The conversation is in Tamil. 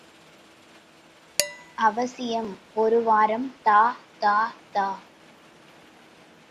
அவசியம் ஒருவரம் தா தா தா.